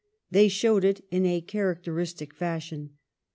They showed it in characteristic fashion.